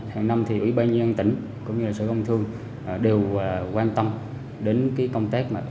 hàng năm thì ủy ban nhân dân tỉnh cũng như sở công thương đều quan tâm đến công tác